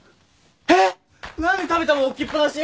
えっ！？何で食べた物置きっぱなし？